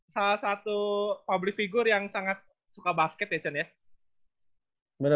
salah satu public figure yang sangat suka basket ya chan ya